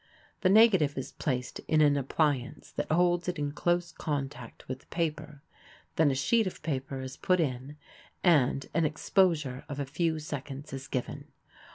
The negative is placed in an appliance that holds it in close contact with the paper, then a sheet of paper is put in, and an exposure of a few seconds is given.